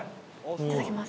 いただきます